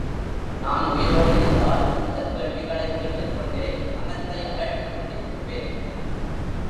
நான் உயிரோடிருந்தால், இந்தக் கேள்விகளைக் கேட்டுக் கொண்டே மனத்தை அலட்டிக் கொண்டிருப்பேன்.